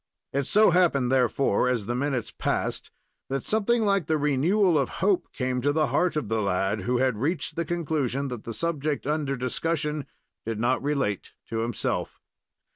It so happened, therefore, as the minutes passed, that something like the renewal of hope came to the heart of the lad, who had reached the conclusion that the subject under discussion did not relate to himself.